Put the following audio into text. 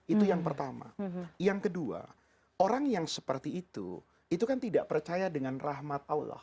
itu yang pertama yang kedua orang yang seperti itu itu kan tidak percaya dengan rahmat allah